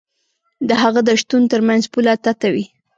د هغه د شتون تر منځ پوله تته وي.